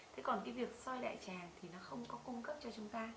thế còn cái việc soi đại tràng thì nó không có cung cấp cho chúng ta